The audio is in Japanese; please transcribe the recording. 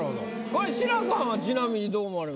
これ志らくはんはちなみにどう思われますか？